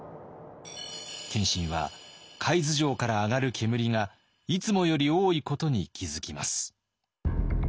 謙信は海津城からあがる煙がいつもより多いことに気付きます。